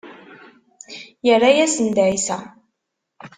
Yerra-asen-d ɛisa.